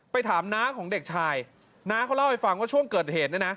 ถามน้าของเด็กชายน้าเขาเล่าให้ฟังว่าช่วงเกิดเหตุเนี่ยนะ